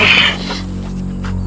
jawab dulu pertanyaanku jinawan